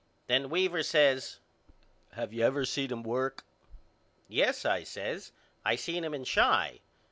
Then Weaver says Have you ever saw him work? Yes, I says, I seen him in Chi.